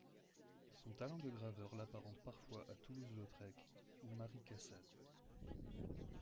Son talent de graveur l'apparente parfois à Toulouse-Lautrec ou Mary Cassatt.